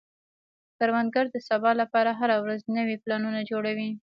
کروندګر د سبا لپاره هره ورځ نوي پلانونه جوړوي